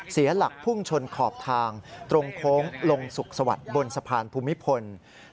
เสียหลักพุ่งชนขอบทางตรงโค้งลงสุขสวัสดิ์บนสะพานภูมิพล